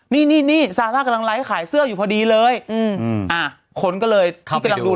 นี่นี่ซาซ่ากำลังไลฟ์ขายเสื้ออยู่พอดีเลยอืมอ่าคนก็เลยที่กำลังดู